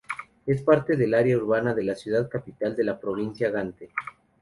Es parte de la area urbana de ciudad capital de la provincia Gante.